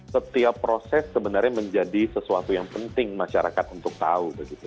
setiap proses sebenarnya menjadi sesuatu yang penting masyarakat untuk tahu